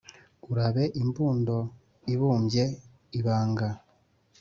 urabe imbundo ibumbye ibanga